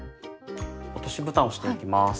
落としぶたをしていきます。